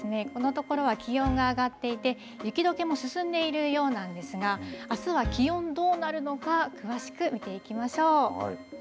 このところは気温が上がっていて雪どけも進んでいるようなんですがあすは気温、どうなるのか詳しく見ていきましょう。